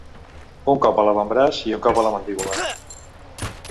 Un cop a l'avantbraç i un cop a la mandíbula.